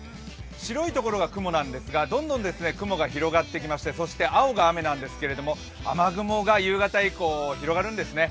白いところが雲なんですがどんどん雲が広がってきまして青が雨なんですけれども、雨雲が夕方以降広がるんですね。